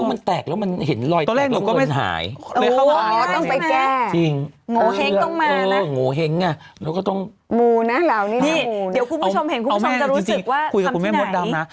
เหงอ่ะเราก็ต้องหมูนะเหล่านี้แล้วหมูอ๋อม่านะจริงจริงคุยกับคุณแม่มดดำนะ